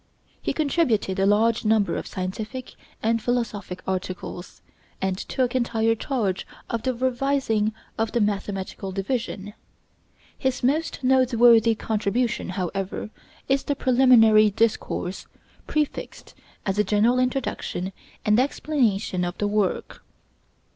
He contributed a large number of scientific and philosophic articles, and took entire charge of the revising of the mathematical division. His most noteworthy contribution, however, is the 'Preliminary Discourse' prefixed as a general introduction and explanation of the work.